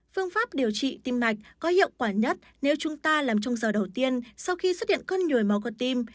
phương pháp điều trị tim mạch có hiệu quả nhất nếu chúng ta làm trong giờ đầu tiên sau khi xuất hiện cơn nhồi máu cơ tim